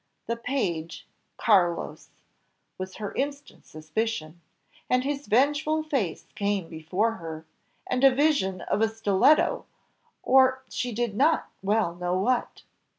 The page, Carlos! was her instant suspicion, and his vengeful face came before her, and a vision of a stiletto! or she did not well know what.